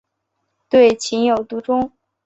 对情有独钟。